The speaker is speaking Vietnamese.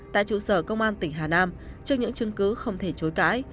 tại trụ sở công an tỉnh hà nam trước những chứng cứ không thể chối cãi